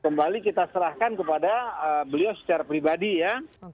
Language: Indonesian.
kembali kita serahkan kepada beliau secara pribadi ya